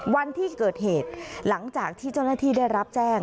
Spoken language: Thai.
วันที่เกิดเหตุหลังจากที่เจ้าหน้าที่ได้รับแจ้ง